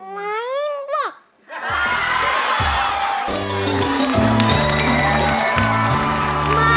ไม่เหมือน